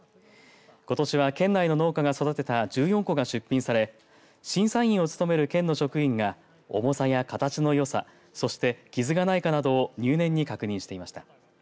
ことしは県内の農家が育てた１４個が出品され審査員を務める県の職員が重さや形のよさそして傷がないかなどを入念に確認していました。